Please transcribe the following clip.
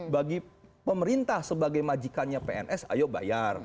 bagi pemerintah sebagai majikannya pns ayo bayar